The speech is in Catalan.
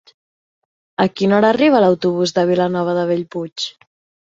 A quina hora arriba l'autobús de Vilanova de Bellpuig?